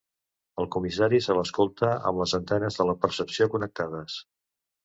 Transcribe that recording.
El comissari se l'escolta amb les antenes de la percepció connectades.